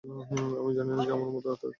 আমি জানি না আমার তাতে কিছু যায় আসেনা।